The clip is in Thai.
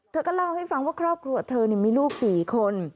เธอก็เล่าให้ฟังว่าครอบครัวเธอมีลูก๔คน